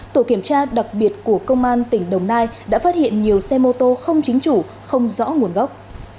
tổ kiểm tra đặc biệt của công an tỉnh đồng nai đã phát hiện nhiều xe mô tô không chính chủ không rõ nguồn gốc